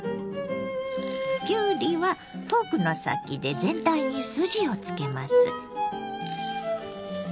きゅうりはフォークの先で全体に筋をつけます。